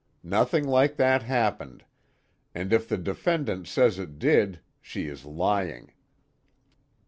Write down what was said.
Nothing like that happened, and if the defendant says it did, she is lying."